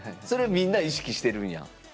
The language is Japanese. それみんな意識してるんや。